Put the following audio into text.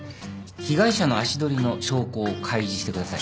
被害者の足取りの証拠を開示してください。